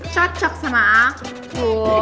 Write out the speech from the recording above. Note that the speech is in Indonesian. cocok sama aku